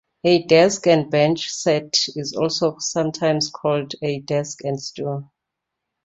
A "Desk and bench" set is also sometimes called a "Desk and stool".